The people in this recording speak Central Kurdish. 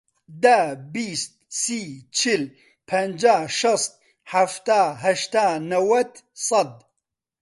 دە، بیست، سی، چل، پەنجا، شەست، حەفتا، هەشتا، نەوەت، سەد.